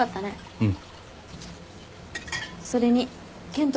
うん。